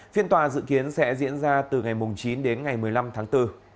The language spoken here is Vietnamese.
phiên tòa dự kiến sẽ diễn ra từ ngày chín đến ngày một mươi năm tháng bốn